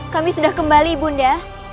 kita sudah kembali ibu unda